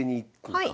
はい。